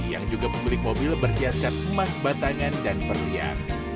yang juga pemilik mobil berhiaskan emas batangan dan berlian